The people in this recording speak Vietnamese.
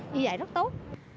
vì vậy rất tốt